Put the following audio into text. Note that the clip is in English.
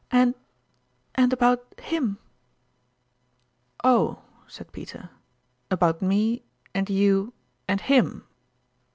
. and and about him !"" Oh !" said Peter, " about me, and you, and him